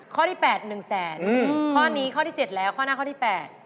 ข้อที่๘๑แสนข้อนี้ข้อที่๗แล้วข้อหน้าข้อที่๘